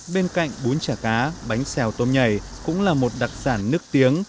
bên cạnh bún chả cá bánh xèo tôm nhảy cũng là một đặc sản nước tiếng